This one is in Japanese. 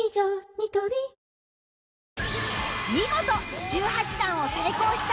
ニトリ見事１８段を成功した